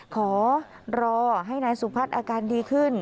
ขอรอให้นายสุพัฒน์อาการดีขึ้น